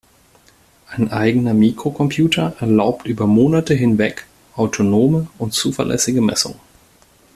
Ein eigener Mikrocomputer erlaubt über Monate hinweg autonome und zuverlässige Messungen.